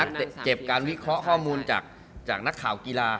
เก็บการวิเคราะห์ข้อมูลจากนักข่าวกีฬา